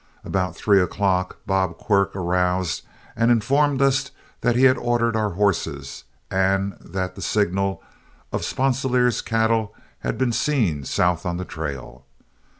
About three o'clock Bob Quirk aroused and informed us that he had ordered our horses, and that the signal of Sponsilier's cattle had been seen south on the trail.